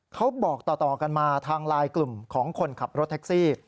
เขาบอกต่อกันมาทางไลน์กลุ่มของคนขับรถแท็กซี่